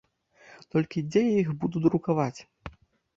Толькі дзе я іх буду друкаваць?